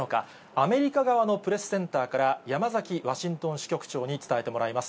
アメリカ側のプレスセンターから、山崎ワシントン支局長に伝えてもらいます。